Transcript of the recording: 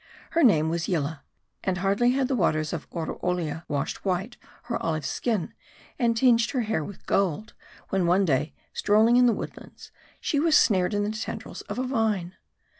Her name was Yillah. And hardly had the waters of Oroolia washed white her olive skin, and tinged her hair with gold, when one day strolling in the woodlands, she was snared in the tendrils of a vine.